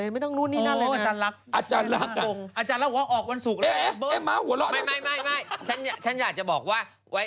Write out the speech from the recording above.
ไม่ฉันอยากจะบอกว่า